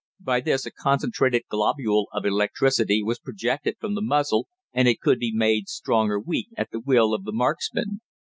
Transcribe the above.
By this a concentrated globule of electricity was projected from the muzzle, and it could be made strong or weak at the will of the marksman.